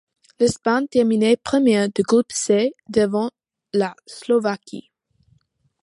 L'Espagne termine première du groupe C devant la Slovaquie.